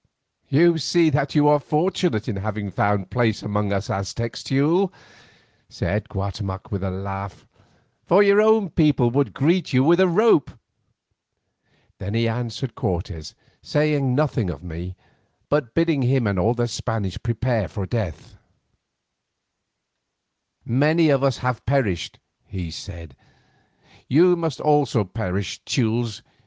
"You see that you are fortunate in having found place among us Aztecs, Teule," said Guatemoc with a laugh, "for your own people would greet you with a rope." Then he answered Cortes, saying nothing of me, but bidding him and all the Spaniards prepare for death: "Many of us have perished," he said; "you also must perish, Teules.